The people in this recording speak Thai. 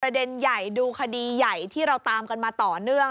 เด็นใหญ่ดูคดีใหญ่ที่เราตามกันมาต่อเนื่อง